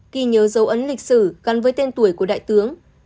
ghi nhớ dấu ấn lịch sử gắn với tên tuổi của đại tướng